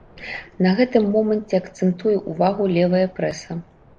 На гэтым моманце акцэнтуе ўвагу левая прэса.